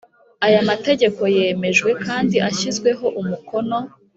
Aya mategeko yemejwe kandi ashyizweho umukono